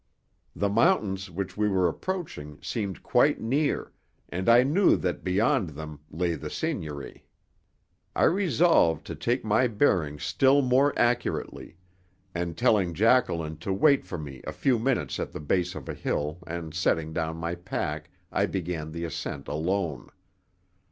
The mountains which we were approaching seemed quite near, and I knew that beyond them lay the seigniory. I resolved to take my bearings still more accurately, and telling Jacqueline to wait for me a few minutes at the base of a hill and setting down my pack, I began the ascent alone.